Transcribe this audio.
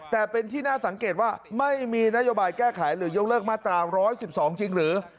แต่เป็นที่น่าสังเกตว่าไม่มีนโยบายแก้ไขหรือยกเลิกมาตรา๑๑๒จริงหรือ